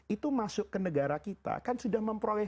itu masuk ke negara kita kan sudah memperoleh